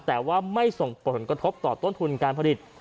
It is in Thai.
แต่ว่าไม่ส่งผลกระทบต่อต้นทุนการผลิต